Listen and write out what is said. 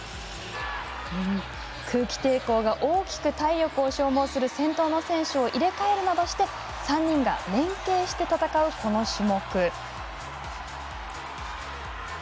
空気抵抗が大きく体力が消耗する先頭の選手を入れ替えるなどして３人が連携して戦う、この種目。